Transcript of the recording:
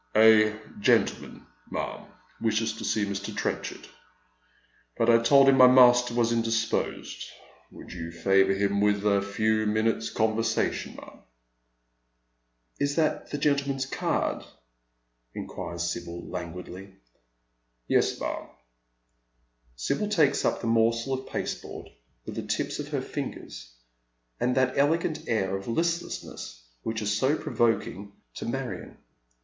"A gentleman, ma'am, wishes to see Mr. Trenchard, but I told him my master was indisposed. Would you favour him with a few minutes' conversation, ma'am ?"" Is that the gentleman's card ?" inquires Sibyl, languidly. "YeB, ma'am." Sibyl takes up the morsel of pasteboard with the tips of her fingers, and that elegant air of listlessness which is so provoking to Marion.